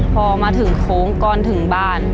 พอมาถึงโค้งก่อนถึงบ้าน